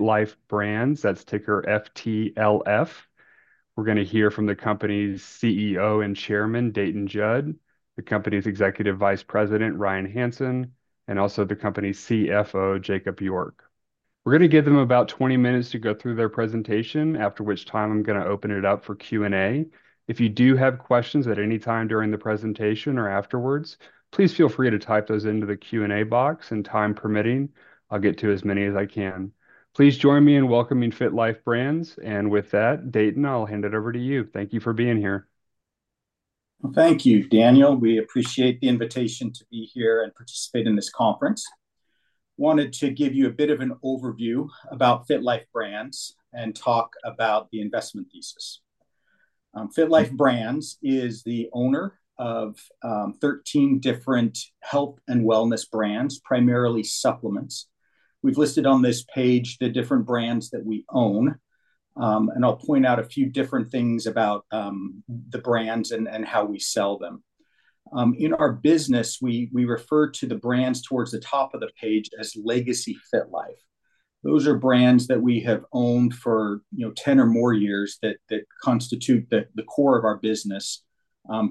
FitLife Brands, that's ticker FTLF. We're going to hear from the company's CEO and chairman, Dayton Judd, the company's executive vice president, Ryan Hansen, and also the company's CFO, Jakob York. We're going to give them about 20 minutes to go through their presentation, after which time I'm going to open it up for Q&A. If you do have questions at any time during the presentation or afterwards, please feel free to type those into the Q&A box, and time permitting, I'll get to as many as I can. Please join me in welcoming FitLife Brands, and with that, Dayton, I'll hand it over to you. Thank you for being here. Well, thank you, Daniel. We appreciate the invitation to be here and participate in this conference. Wanted to give you a bit of an overview about FitLife Brands and talk about the investment thesis. FitLife Brands is the owner of 13 different health and wellness brands, primarily supplements. We've listed on this page the different brands that we own, and I'll point out a few different things about the brands and how we sell them. In our business, we refer to the brands towards the top of the page as Legacy FitLife. Those are brands that we have owned for 10 or more years that constitute the core of our business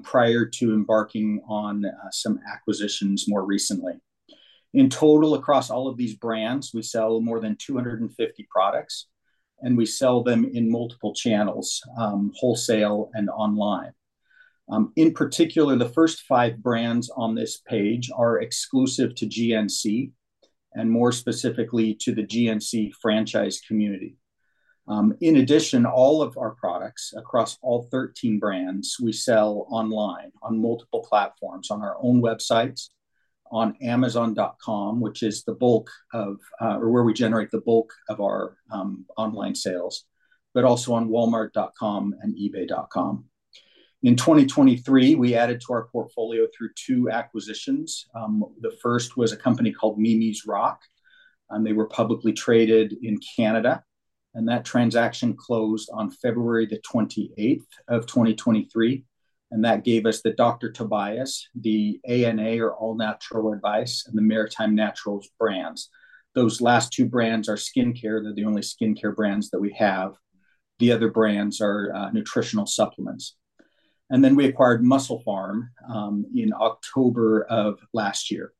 prior to embarking on some acquisitions more recently. In total, across all of these brands, we sell more than 250 products, and we sell them in multiple channels, wholesale and online. In particular, the first five brands on this page are exclusive to GNC, and more specifically to the GNC franchise community. In addition, all of our products across all 13 brands, we sell online on multiple platforms, on our own websites, on Amazon.com, which is the bulk of where we generate the bulk of our online sales, but also on Walmart.com and eBay.com. In 2023, we added to our portfolio through two acquisitions. The first was a company called Mimi's Rock. They were publicly traded in Canada, and that transaction closed on February the 28th of 2023. And that gave us the Dr. Tobias, the ANA, or All Natural Advice, and the Maritime Naturals brands. Those last two brands are skincare. They're the only skincare brands that we have. The other brands are nutritional supplements. And then we acquired MusclePharm in October of last year.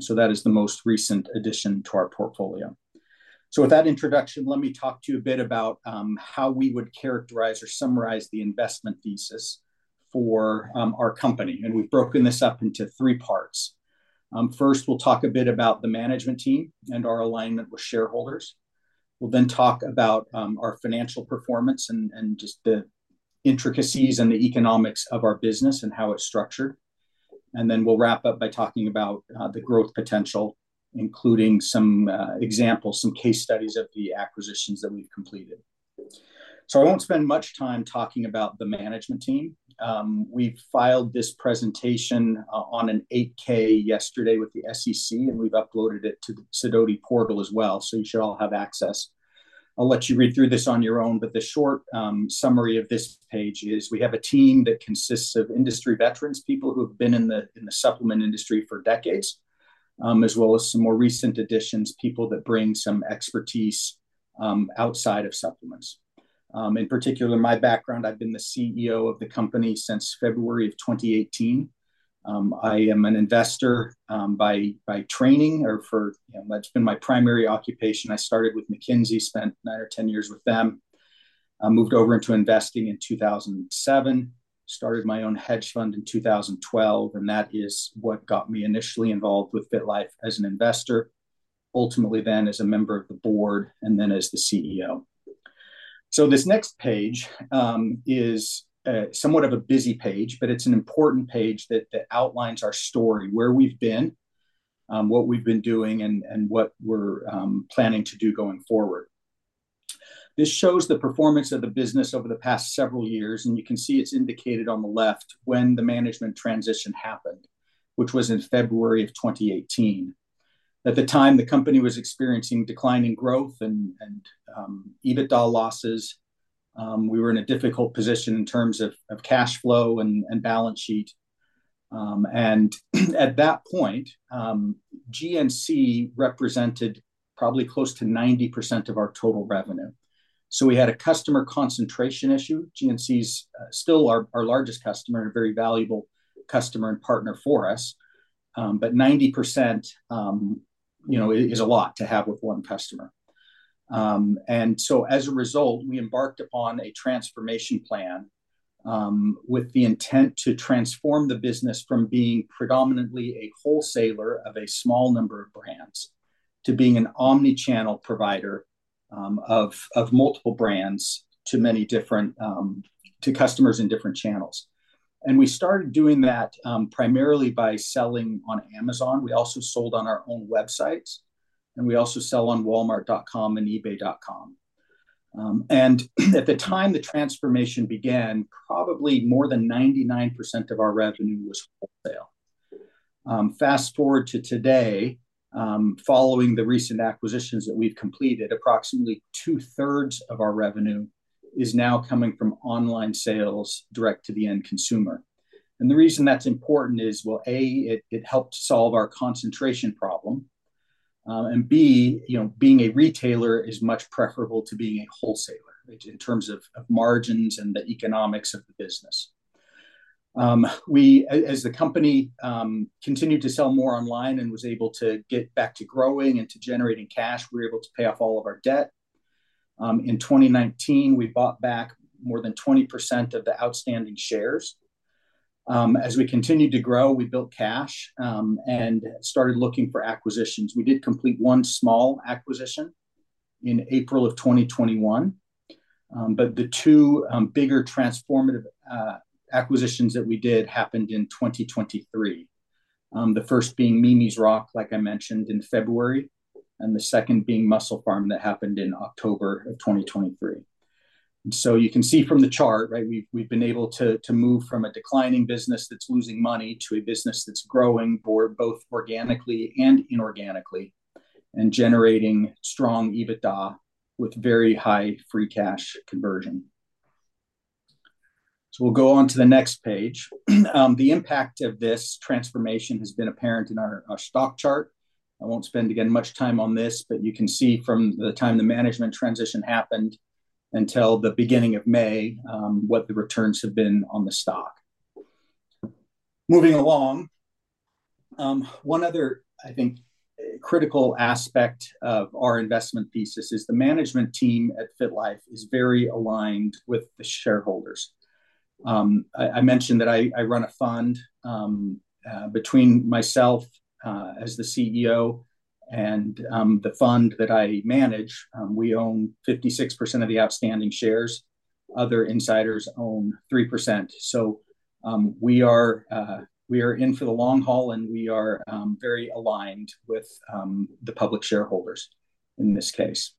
So that is the most recent addition to our portfolio. With that introduction, let me talk to you a bit about how we would characterize or summarize the investment thesis for our company. We've broken this up into three parts. First, we'll talk a bit about the management team and our alignment with shareholders. We'll then talk about our financial performance and just the intricacies and the economics of our business and how it's structured. Then we'll wrap up by talking about the growth potential, including some examples, some case studies of the acquisitions that we've completed. So I won't spend much time talking about the management team. We've filed this presentation on an 8-K yesterday with the SEC, and we've uploaded it to the Sidoti portal as well, so you should all have access. I'll let you read through this on your own, but the short summary of this page is we have a team that consists of industry veterans, people who have been in the supplement industry for decades, as well as some more recent additions, people that bring some expertise outside of supplements. In particular, my background, I've been the CEO of the company since February of 2018. I am an investor by training or for that's been my primary occupation. I started with McKinsey, spent nine or 10 years with them, moved over into investing in 2007, started my own hedge fund in 2012, and that is what got me initially involved with FitLife as an investor, ultimately then as a member of the board, and then as the CEO. So this next page is somewhat of a busy page, but it's an important page that outlines our story, where we've been, what we've been doing, and what we're planning to do going forward. This shows the performance of the business over the past several years, and you can see it's indicated on the left when the management transition happened, which was in February of 2018. At the time, the company was experiencing declining growth and EBITDA losses. We were in a difficult position in terms of cash flow and balance sheet. And at that point, GNC represented probably close to 90% of our total revenue. So we had a customer concentration issue. GNC is still our largest customer and a very valuable customer and partner for us, but 90% is a lot to have with one customer. As a result, we embarked upon a transformation plan with the intent to transform the business from being predominantly a wholesaler of a small number of brands to being an omnichannel provider of multiple brands to customers in different channels. We started doing that primarily by selling on Amazon. We also sold on our own websites, and we also sell on Walmart.com and eBay.com. At the time the transformation began, probably more than 99% of our revenue was wholesale. Fast forward to today, following the recent acquisitions that we've completed, approximately two-thirds of our revenue is now coming from online sales direct to the end consumer. The reason that's important is, well, A, it helped solve our concentration problem, and B, being a retailer is much preferable to being a wholesaler in terms of margins and the economics of the business. As the company continued to sell more online and was able to get back to growing and to generating cash, we were able to pay off all of our debt. In 2019, we bought back more than 20% of the outstanding shares. As we continued to grow, we built cash and started looking for acquisitions. We did complete one small acquisition in April of 2021, but the two bigger transformative acquisitions that we did happened in 2023, the first being Mimi's Rock, like I mentioned, in February, and the second being MusclePharm that happened in October of 2023. So you can see from the chart, right, we've been able to move from a declining business that's losing money to a business that's growing, both organically and inorganically, and generating strong EBITDA with very high free cash conversion. So we'll go on to the next page. The impact of this transformation has been apparent in our stock chart. I won't spend, again, much time on this, but you can see from the time the management transition happened until the beginning of May what the returns have been on the stock. Moving along, one other, I think, critical aspect of our investment thesis is the management team at FitLife is very aligned with the shareholders. I mentioned that I run a fund between myself as the CEO and the fund that I manage. We own 56% of the outstanding shares. Other insiders own 3%. So we are in for the long haul, and we are very aligned with the public shareholders in this case.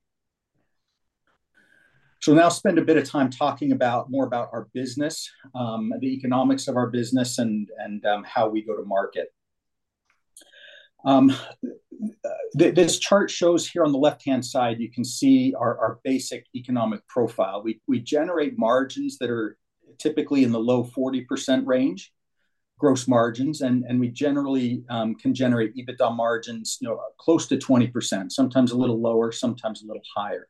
So now spend a bit of time talking more about our business, the economics of our business, and how we go to market. This chart shows here on the left-hand side, you can see our basic economic profile. We generate margins that are typically in the low 40% range, gross margins, and we generally can generate EBITDA margins close to 20%, sometimes a little lower, sometimes a little higher.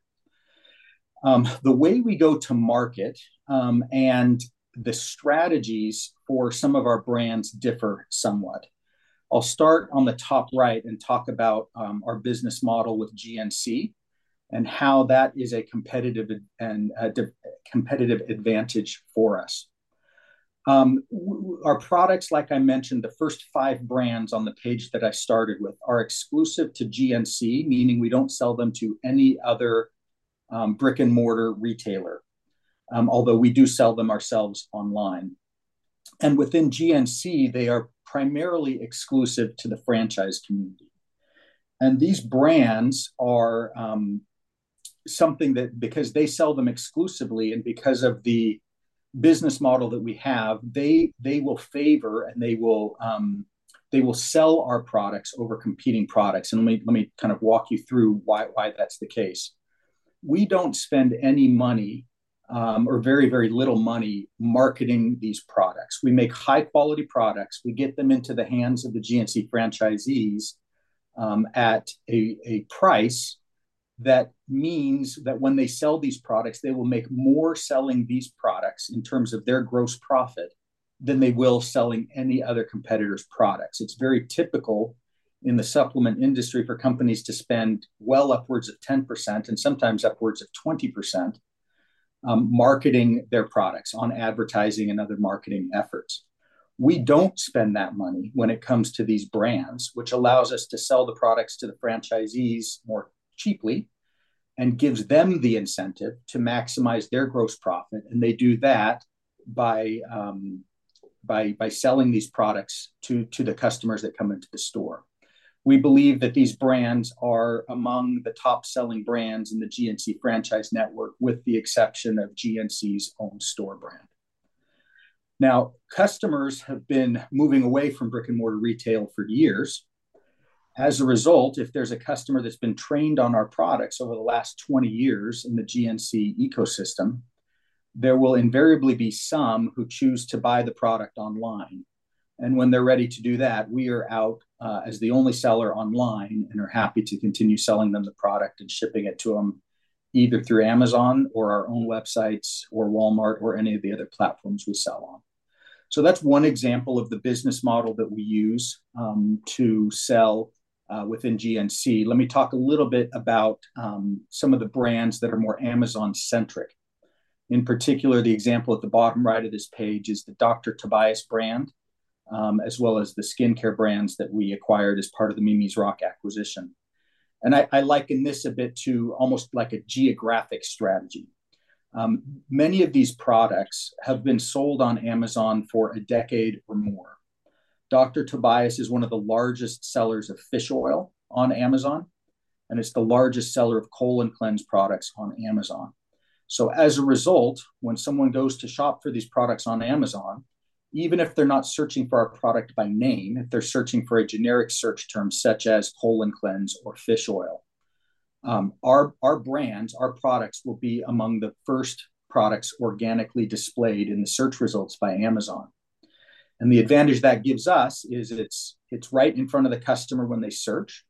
The way we go to market and the strategies for some of our brands differ somewhat. I'll start on the top right and talk about our business model with GNC and how that is a competitive advantage for us. Our products, like I mentioned, the first five brands on the page that I started with are exclusive to GNC, meaning we don't sell them to any other brick-and-mortar retailer, although we do sell them ourselves online. Within GNC, they are primarily exclusive to the franchise community. These brands are something that because they sell them exclusively and because of the business model that we have, they will favor and they will sell our products over competing products. Let me kind of walk you through why that's the case. We don't spend any money or very, very little money marketing these products. We make high-quality products. We get them into the hands of the GNC franchisees at a price that means that when they sell these products, they will make more selling these products in terms of their gross profit than they will selling any other competitor's products. It's very typical in the supplement industry for companies to spend well upwards of 10% and sometimes upwards of 20% marketing their products on advertising and other marketing efforts. We don't spend that money when it comes to these brands, which allows us to sell the products to the franchisees more cheaply and gives them the incentive to maximize their gross profit. They do that by selling these products to the customers that come into the store. We believe that these brands are among the top-selling brands in the GNC franchise network, with the exception of GNC's own store brand. Now, customers have been moving away from brick-and-mortar retail for years. As a result, if there's a customer that's been trained on our products over the last 20 years in the GNC ecosystem, there will invariably be some who choose to buy the product online. When they're ready to do that, we are out as the only seller online and are happy to continue selling them the product and shipping it to them either through Amazon or our own websites or Walmart or any of the other platforms we sell on. That's one example of the business model that we use to sell within GNC. Let me talk a little bit about some of the brands that are more Amazon-centric. In particular, the example at the bottom right of this page is the Dr. Tobias brand, as well as the skincare brands that we acquired as part of the Mimi's Rock acquisition. I liken this a bit to almost like a geographic strategy. Many of these products have been sold on Amazon for a decade or more. Dr. Tobias is one of the largest sellers of fish oil on Amazon, and it's the largest seller of colon cleanse products on Amazon. So as a result, when someone goes to shop for these products on Amazon, even if they're not searching for our product by name, if they're searching for a generic search term such as colon cleanse or fish oil, our brands, our products will be among the first products organically displayed in the search results by Amazon. And the advantage that gives us is it's right in front of the customer when they search.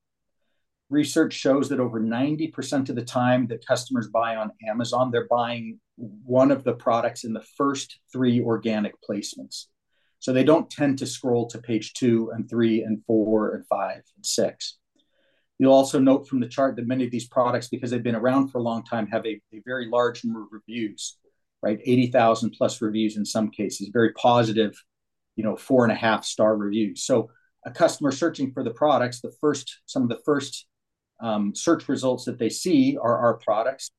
Research shows that over 90% of the time that customers buy on Amazon, they're buying one of the products in the first three organic placements. So they don't tend to scroll to page two and three and four and five and six. You'll also note from the chart that many of these products, because they've been around for a long time, have a very large number of reviews, right, 80,000-plus reviews in some cases, very positive 4.5-star reviews. So a customer searching for the products, some of the first search results that they see are our products.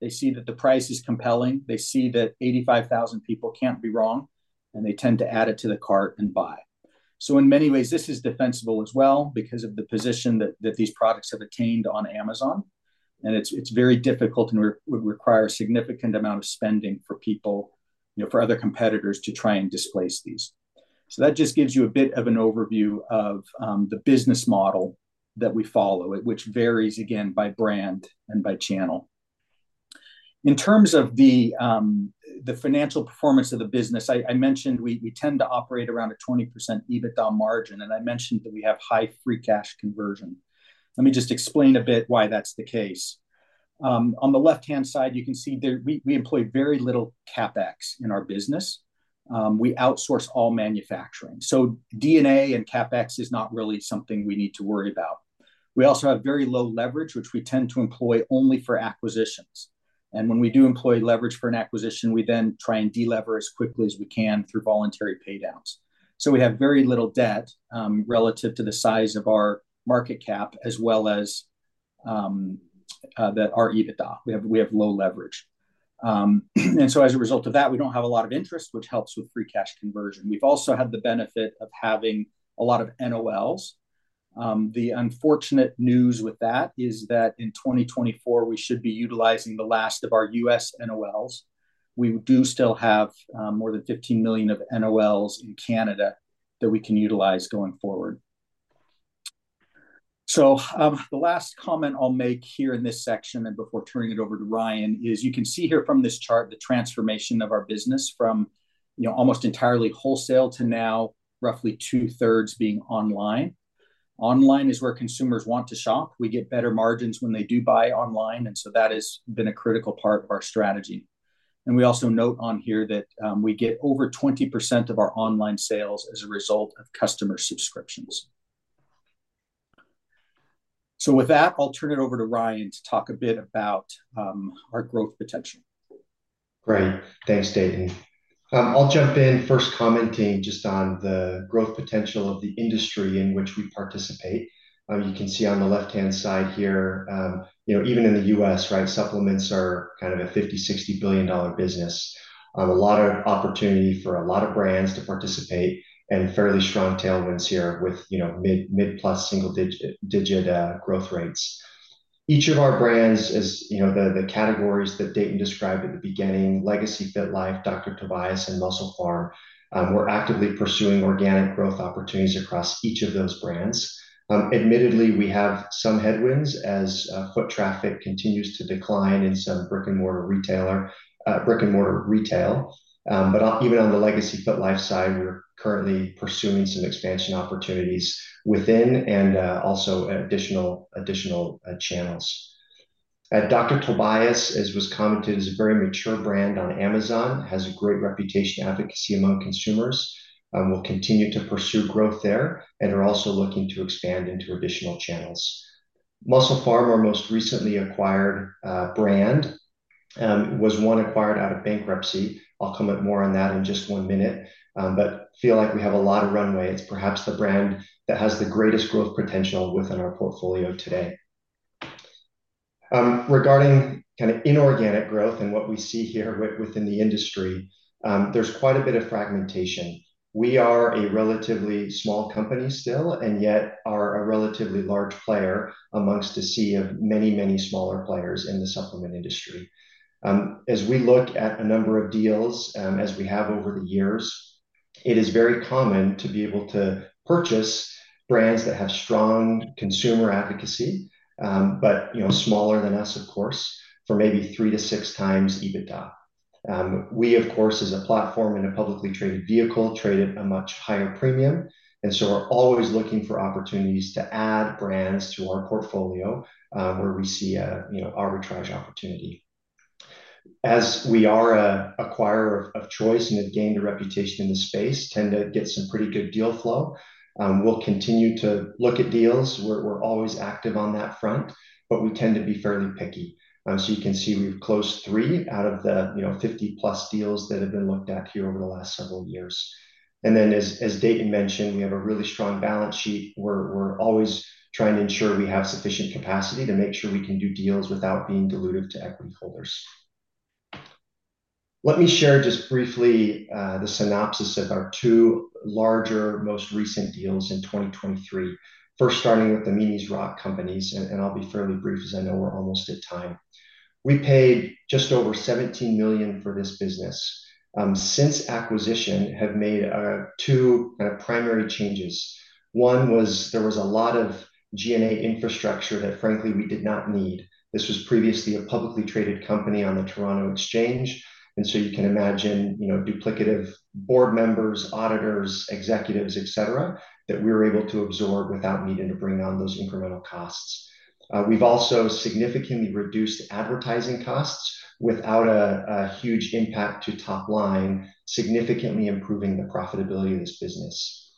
They see that the price is compelling. They see that 85,000 people can't be wrong, and they tend to add it to the cart and buy. So in many ways, this is defensible as well because of the position that these products have attained on Amazon. And it's very difficult and would require a significant amount of spending for people, for other competitors, to try and displace these. So that just gives you a bit of an overview of the business model that we follow, which varies, again, by brand and by channel. In terms of the financial performance of the business, I mentioned we tend to operate around a 20% EBITDA margin, and I mentioned that we have high free cash conversion. Let me just explain a bit why that's the case. On the left-hand side, you can see we employ very little CapEx in our business. We outsource all manufacturing. So R&D and CapEx is not really something we need to worry about. We also have very low leverage, which we tend to employ only for acquisitions. And when we do employ leverage for an acquisition, we then try and delever as quickly as we can through voluntary paydowns. So we have very little debt relative to the size of our market cap as well as our EBITDA. We have low leverage. As a result of that, we don't have a lot of interest, which helps with free cash conversion. We've also had the benefit of having a lot of NOLs. The unfortunate news with that is that in 2024, we should be utilizing the last of our U.S. NOLs. We do still have more than $15 million of NOLs in Canada that we can utilize going forward. The last comment I'll make here in this section and before turning it over to Ryan is you can see here from this chart the transformation of our business from almost entirely wholesale to now roughly 2/3 being online. Online is where consumers want to shop. We get better margins when they do buy online, and so that has been a critical part of our strategy. And we also note on here that we get over 20% of our online sales as a result of customer subscriptions. So with that, I'll turn it over to Ryan to talk a bit about our growth potential. Great. Thanks, Dayton. I'll jump in first commenting just on the growth potential of the industry in which we participate. You can see on the left-hand side here, even in the U.S., right, supplements are kind of a $50billion-$60 billion-dollar business, a lot of opportunity for a lot of brands to participate, and fairly strong tailwinds here with mid-plus single-digit growth rates. Each of our brands, as the categories that Dayton described at the beginning, Legacy FitLife, Dr. Tobias, and MusclePharm, we're actively pursuing organic growth opportunities across each of those brands. Admittedly, we have some headwinds as foot traffic continues to decline in some brick-and-mortar retail. But even on the Legacy FitLife side, we're currently pursuing some expansion opportunities within and also additional channels. Dr. Tobias, as was commented, is a very mature brand on Amazon, has a great reputation and advocacy among consumers, will continue to pursue growth there, and are also looking to expand into additional channels. MusclePharm, our most recently acquired brand, was one acquired out of bankruptcy. I'll comment more on that in just one minute. But I feel like we have a lot of runway. It's perhaps the brand that has the greatest growth potential within our portfolio today. Regarding kind of inorganic growth and what we see here within the industry, there's quite a bit of fragmentation. We are a relatively small company still, and yet are a relatively large player amongst a sea of many, many smaller players in the supplement industry. As we look at a number of deals as we have over the years, it is very common to be able to purchase brands that have strong consumer advocacy, but smaller than us, of course, for maybe 3-6x EBITDA. We, of course, as a platform and a publicly traded vehicle, trade at a much higher premium. And so we're always looking for opportunities to add brands to our portfolio where we see arbitrage opportunity. As we are an acquirer of choice and have gained a reputation in the space, tend to get some pretty good deal flow. We'll continue to look at deals. We're always active on that front, but we tend to be fairly picky. So you can see we've closed three out of the 50+ deals that have been looked at here over the last several years. Then, as Dayton mentioned, we have a really strong balance sheet. We're always trying to ensure we have sufficient capacity to make sure we can do deals without being dilutive to equity holders. Let me share just briefly the synopsis of our two larger, most recent deals in 2023, first starting with the Mimi's Rock companies. And I'll be fairly brief as I know we're almost at time. We paid just over $17 million for this business. Since acquisition, have made two kind of primary changes. One was there was a lot of G&A infrastructure that, frankly, we did not need. This was previously a publicly traded company on the Toronto Exchange. And so you can imagine duplicative board members, auditors, executives, etc., that we were able to absorb without needing to bring on those incremental costs. We've also significantly reduced advertising costs without a huge impact to top line, significantly improving the profitability of this business.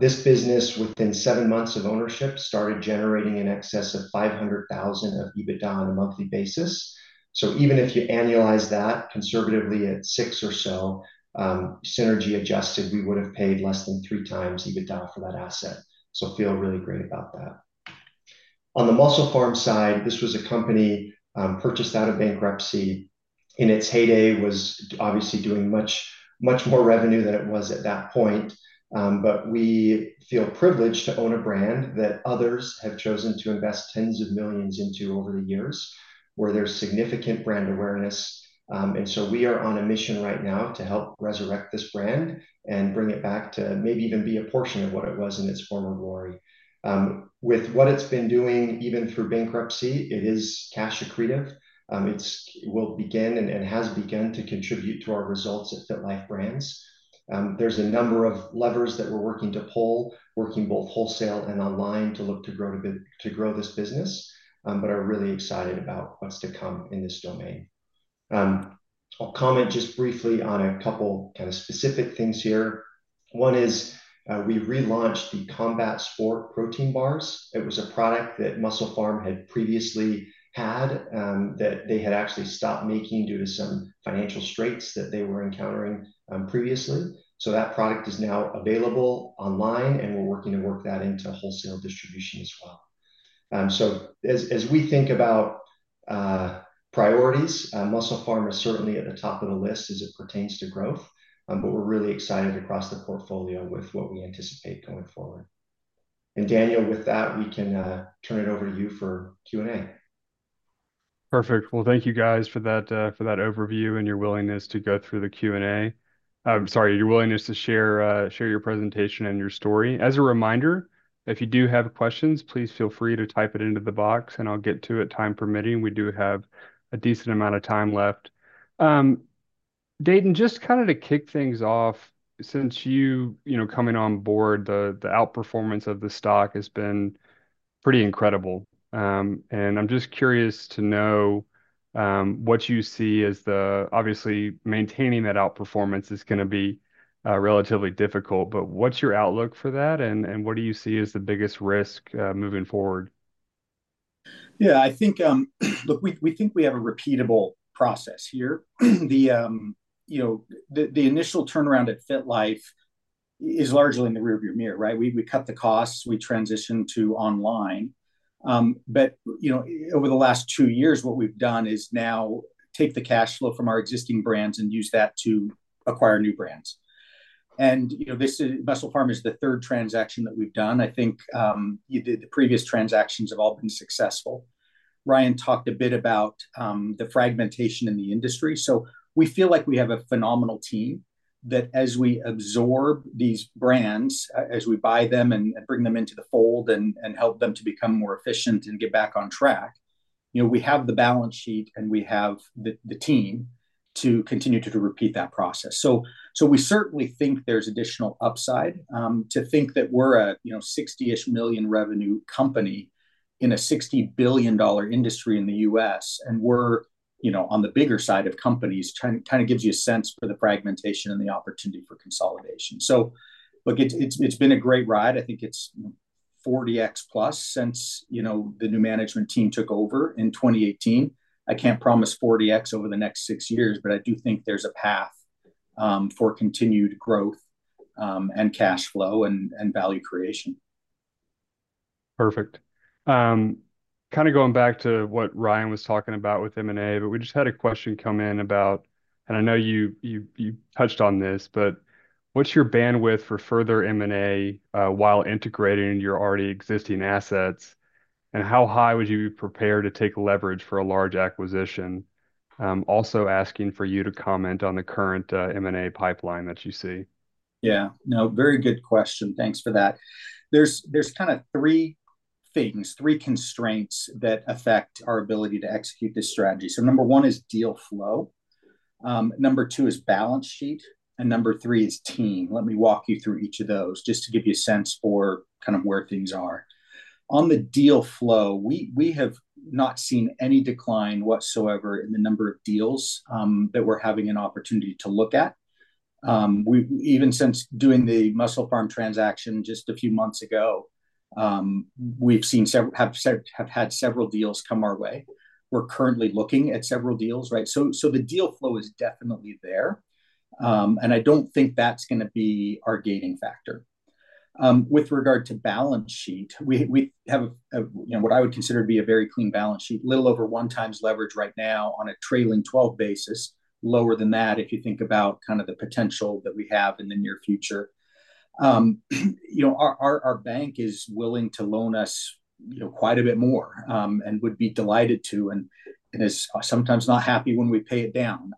This business, within seven months of ownership, started generating an excess of $500,000 of EBITDA on a monthly basis. So even if you annualize that conservatively at six or so, synergy adjusted, we would have paid less than 3x EBITDA for that asset. So I feel really great about that. On the MusclePharm side, this was a company purchased out of bankruptcy. In its heyday, was obviously doing much, much more revenue than it was at that point. But we feel privileged to own a brand that others have chosen to invest $10s of millions into over the years, where there's significant brand awareness. And so we are on a mission right now to help resurrect this brand and bring it back to maybe even be a portion of what it was in its former glory. With what it's been doing, even through bankruptcy, it is cash accretive. It will begin and has begun to contribute to our results at FitLife Brands. There's a number of levers that we're working to pull, working both wholesale and online to look to grow this business, but are really excited about what's to come in this domain. I'll comment just briefly on a couple kind of specific things here. One is we relaunched the Combat Sport protein bars. It was a product that MusclePharm had previously had that they had actually stopped making due to some financial straits that they were encountering previously. So that product is now available online, and we're working to work that into wholesale distribution as well. So as we think about priorities, MusclePharm is certainly at the top of the list as it pertains to growth, but we're really excited across the portfolio with what we anticipate going forward. And Daniel, with that, we can turn it over to you for Q&A. Perfect. Well, thank you guys for that overview and your willingness to go through the Q&A. Sorry, your willingness to share your presentation and your story. As a reminder, if you do have questions, please feel free to type it into the box, and I'll get to it time permitting. We do have a decent amount of time left. Dayton, just kind of to kick things off, since you coming on board, the outperformance of the stock has been pretty incredible. And I'm just curious to know what you see as the obviously, maintaining that outperformance is going to be relatively difficult, but what's your outlook for that, and what do you see as the biggest risk moving forward? Yeah, I think look, we think we have a repeatable process here. The initial turnaround at FitLife is largely in the rearview mirror, right? We cut the costs. We transitioned to online. But over the last two years, what we've done is now take the cash flow from our existing brands and use that to acquire new brands. And MusclePharm is the third transaction that we've done. I think the previous transactions have all been successful. Ryan talked a bit about the fragmentation in the industry. So we feel like we have a phenomenal team that as we absorb these brands, as we buy them and bring them into the fold and help them to become more efficient and get back on track, we have the balance sheet and we have the team to continue to repeat that process. So we certainly think there's additional upside to think that we're a $60-ish million revenue company in a $60 billion industry in the U.S., and we're on the bigger side of companies, kind of gives you a sense for the fragmentation and the opportunity for consolidation. So look, it's been a great ride. I think it's 40x plus since the new management team took over in 2018. I can't promise 40x over the next six years, but I do think there's a path for continued growth and cash flow and value creation. Perfect. Kind of going back to what Ryan was talking about with M&A, but we just had a question come in about and I know you touched on this, but what's your bandwidth for further M&A while integrating your already existing assets, and how high would you be prepared to take leverage for a large acquisition? Also asking for you to comment on the current M&A pipeline that you see. Yeah. No, very good question. Thanks for that. There's kind of three things, three constraints that affect our ability to execute this strategy. So number one is deal flow. Number two is balance sheet. And number three is team. Let me walk you through each of those just to give you a sense for kind of where things are. On the deal flow, we have not seen any decline whatsoever in the number of deals that we're having an opportunity to look at. Even since doing the MusclePharm transaction just a few months ago, we've had several deals come our way. We're currently looking at several deals, right? So the deal flow is definitely there. And I don't think that's going to be our gaining factor. With regard to balance sheet, we have what I would consider to be a very clean balance sheet, a little over 1x leverage right now on a trailing 12 basis, lower than that if you think about kind of the potential that we have in the near future. Our bank is willing to loan us quite a bit more and would be delighted to and is sometimes not happy when we pay it down.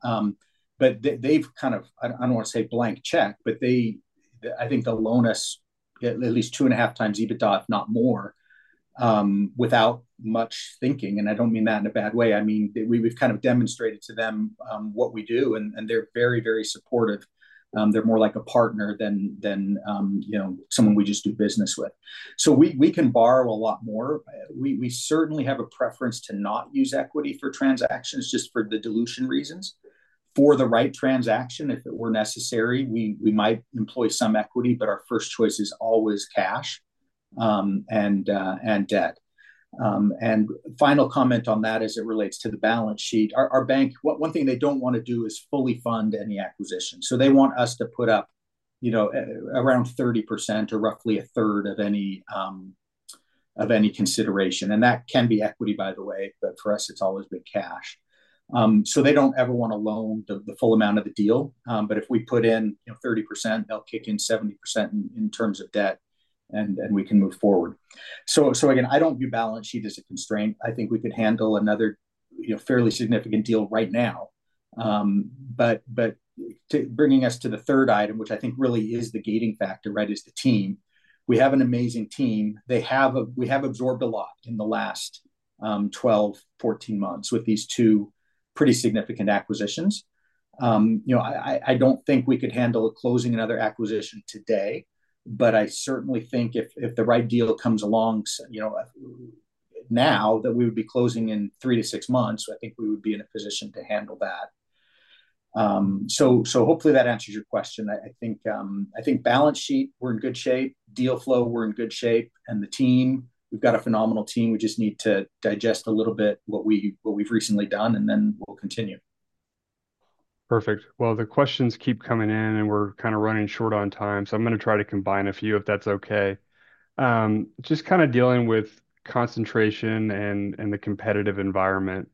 But they've kind of, I don't want to say blank check, but I think they'll loan us at least 2.5x EBITDA, if not more, without much thinking. And I don't mean that in a bad way. I mean, we've kind of demonstrated to them what we do, and they're very, very supportive. They're more like a partner than someone we just do business with. So we can borrow a lot more. We certainly have a preference to not use equity for transactions, just for the dilution reasons. For the right transaction, if it were necessary, we might employ some equity, but our first choice is always cash and debt. And final comment on that as it relates to the balance sheet, our bank, one thing they don't want to do is fully fund any acquisition. So they want us to put up around 30% or roughly a third of any consideration. And that can be equity, by the way, but for us, it's always been cash. So they don't ever want to loan the full amount of the deal. But if we put in 30%, they'll kick in 70% in terms of debt, and we can move forward. So again, I don't view balance sheet as a constraint. I think we could handle another fairly significant deal right now. But bringing us to the third item, which I think really is the gating factor, right, is the team. We have an amazing team. We have absorbed a lot in the last 12-14 months with these two pretty significant acquisitions. I don't think we could handle closing another acquisition today, but I certainly think if the right deal comes along now, that we would be closing in three-six months. I think we would be in a position to handle that. So hopefully, that answers your question. I think balance sheet, we're in good shape. Deal flow, we're in good shape. And the team, we've got a phenomenal team. We just need to digest a little bit what we've recently done, and then we'll continue. Perfect. Well, the questions keep coming in, and we're kind of running short on time. So I'm going to try to combine a few, if that's okay. Just kind of dealing with concentration and the competitive environment,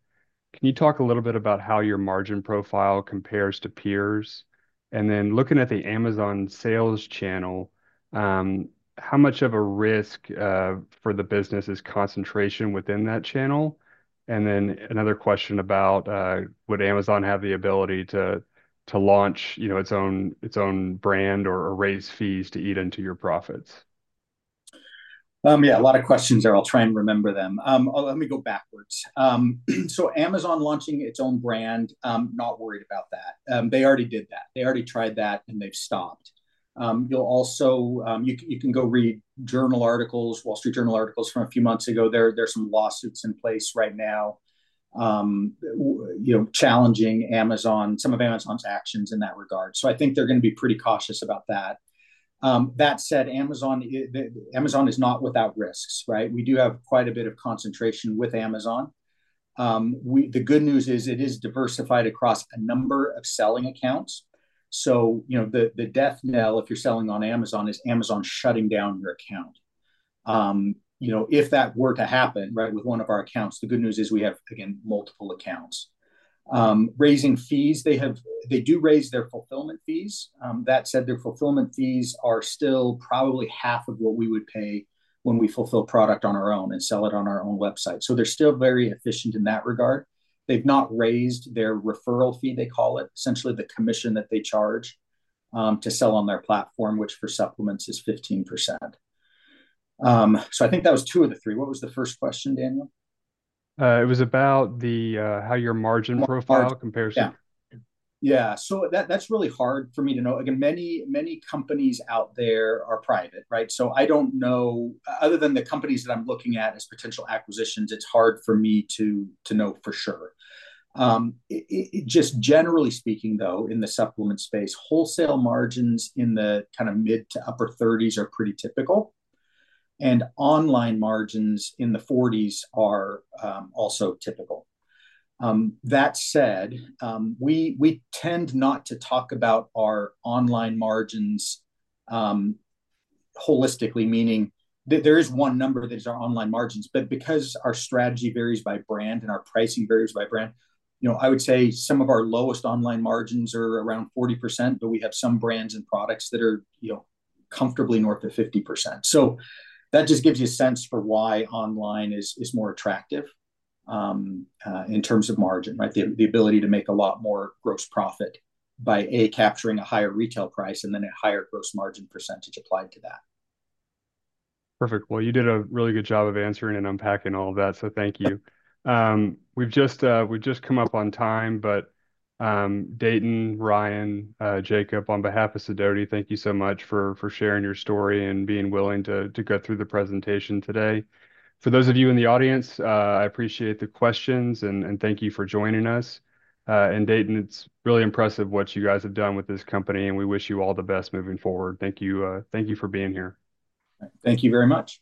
can you talk a little bit about how your margin profile compares to peers? And then looking at the Amazon sales channel, how much of a risk for the business is concentration within that channel? And then another question about would Amazon have the ability to launch its own brand or raise fees to eat into your profits? Yeah, a lot of questions there. I'll try and remember them. Let me go backwards. So Amazon launching its own brand, not worried about that. They already did that. They already tried that, and they've stopped. You can go read journal articles, Wall Street Journal articles from a few months ago. There's some lawsuits in place right now challenging Amazon, some of Amazon's actions in that regard. So I think they're going to be pretty cautious about that. That said, Amazon is not without risks, right? We do have quite a bit of concentration with Amazon. The good news is it is diversified across a number of selling accounts. So the death knell, if you're selling on Amazon, is Amazon shutting down your account. If that were to happen, right, with one of our accounts, the good news is we have, again, multiple accounts. Raising fees, they do raise their fulfillment fees. That said, their fulfillment fees are still probably half of what we would pay when we fulfill product on our own and sell it on our own website. So they're still very efficient in that regard. They've not raised their referral fee, they call it, essentially the commission that they charge to sell on their platform, which for supplements is 15%. So I think that was two of the three. What was the first question, Daniel? It was about how your margin profile compares to. Yeah. Yeah. That's really hard for me to know. Again, many companies out there are private, right? I don't know other than the companies that I'm looking at as potential acquisitions. It's hard for me to know for sure. Just generally speaking, though, in the supplement space, wholesale margins in the kind of mid- to upper-30s% are pretty typical. Online margins in the 40s% are also typical. That said, we tend not to talk about our online margins holistically, meaning there is one number that is our online margins. Because our strategy varies by brand and our pricing varies by brand, I would say some of our lowest online margins are around 40%, but we have some brands and products that are comfortably north of 50%. That just gives you a sense for why online is more attractive in terms of margin, right? The ability to make a lot more gross profit by, A, capturing a higher retail price, and then a higher gross margin percentage applied to that. Perfect. Well, you did a really good job of answering and unpacking all of that. So thank you. We've just come up on time, but Dayton, Ryan, Jakob, on behalf of Sidoti, thank you so much for sharing your story and being willing to go through the presentation today. For those of you in the audience, I appreciate the questions, and thank you for joining us. Dayton, it's really impressive what you guys have done with this company, and we wish you all the best moving forward. Thank you for being here. Thank you very much.